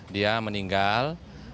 dua dia meninggal